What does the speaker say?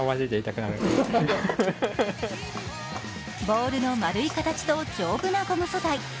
ボールの丸い形と丈夫なゴム素材。